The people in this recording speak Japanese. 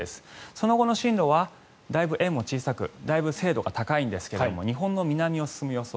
その後の進路はだいぶ円も小さくだいぶ精度が高いんですが日本の南を進む予想。